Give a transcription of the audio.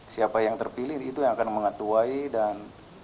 siapa yang terpilih itu yang akan mengetuai dan